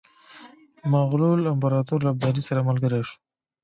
مغول امپراطور له ابدالي سره ملګری شو.